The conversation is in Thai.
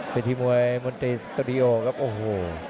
เป็นทีมวยมนตรีสตูดิโอครับโอ้โห